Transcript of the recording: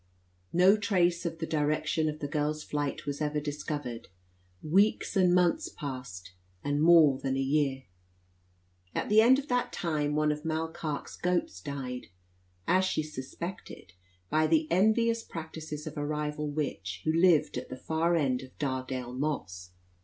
No trace of the direction of the girl's flight was ever discovered. Weeks and months passed, and more than a year. At the end of that time, one of Mall Carke's goats died, as she suspected, by the envious practices of a rival witch who lived at the far end of Dardale Moss.